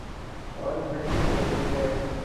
اور گھٹتی رہتی ہے